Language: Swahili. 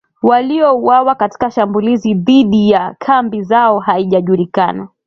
waliouawa katika shambulizi dhidi ya kambi zao haijajulikana